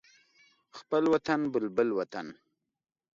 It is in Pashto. خپل وطن بلبل وطن